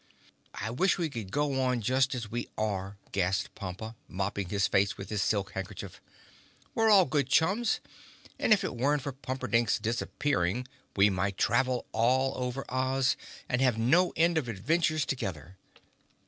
"I wish we could go on just as we are," gasped Pompa, mopping his face with his silk handkerchief. "We're all good chums and, if it weren't for Pumperdink's disappearing, we might travel all over Oz and have no end of adventures together."